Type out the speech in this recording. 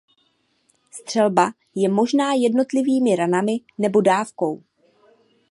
Střelba je možná jednotlivými ranami nebo dávkou.